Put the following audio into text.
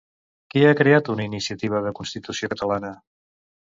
Qui ha creat una iniciativa de Constitució catalana?